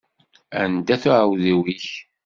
Anda-t uɛewdiw-ik?